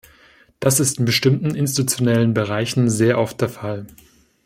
Das ist in bestimmten institutionellen Bereichen sehr oft der Fall.